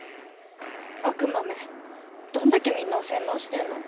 悪魔めどんだけみんなを洗脳してんの？